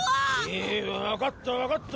ええいわかったわかった！